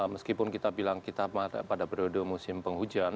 meskipun kita bilang kita pada periode musim penghujan